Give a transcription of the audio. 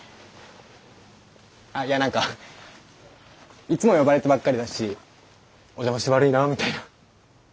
いや何かいつも呼ばれてばっかりだしお邪魔して悪いなみたいな。